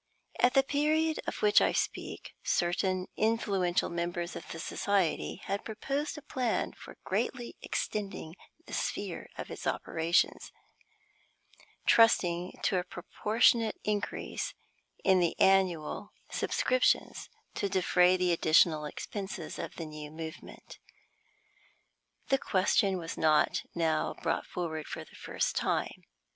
At the period of which I speak, certain influential members of the society had proposed a plan for greatly extending the sphere of its operations, trusting to a proportionate increase in the annual subscriptions to defray the additional expenses of the new movement. The question was not now brought forward for the first time.